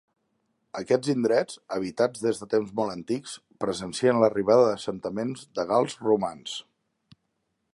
Aquests indrets, habitats des de temps molt antics, presencien l'arribada d'assentaments de gals romans.